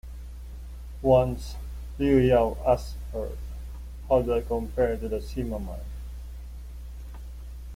Once, Liu Yao asked her: How do I compare to the Sima man?